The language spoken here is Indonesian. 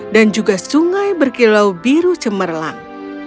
dan juga sungai berkilau biru cemerlang